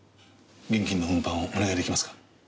現金の運搬をお願い出来ますか？